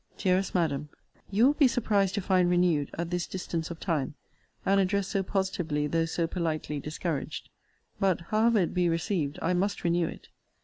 DEAREST MADAM, You will be surprised to find renewed, at this distance of time, an address so positively though so politely discouraged: but, however it be received, I must renew it.